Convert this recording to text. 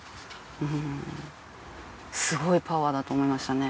うんすごいパワーだと思いましたね。